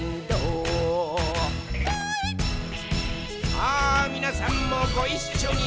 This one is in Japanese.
さあ、みなさんもごいっしょに！